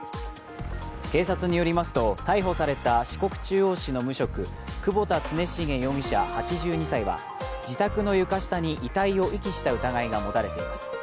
警察によりますと逮捕された四国中央市の無職、窪田常重容疑者８２歳は自宅の床下に遺体を遺棄した疑いがもたれています。